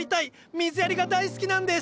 水やりが大好きなんです！